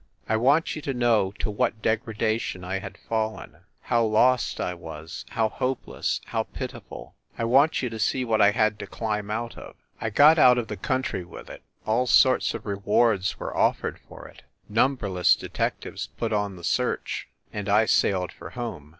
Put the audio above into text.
I want you to know to what degradation I had fallen how lost I was, how hopeless, how pitiful. I want you to see what I had to climb out of. I got out of the country with it all sorts of re wards were offered for it, numberless detectives put on the search and I sailed for home.